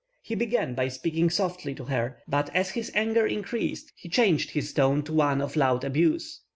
He began by speaking softly to her, but as his anger increased, he changed his tone to one of loud abuse.